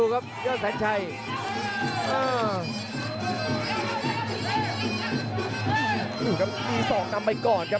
กระโดยสิ้งเล็กนี่ออกกันขาสันเหมือนกันครับ